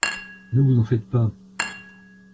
Ne vous en faites pas !